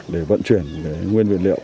để vận chuyển nguyên vật liệu